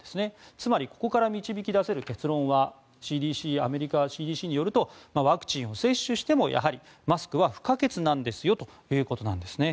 つまりここから導き出せる結論はアメリカＣＤＣによるとワクチンを接種してもやはりマスクは不可欠なんですよということなんですね。